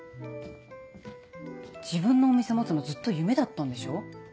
自分のお店持つのずっと夢だったんでしょ？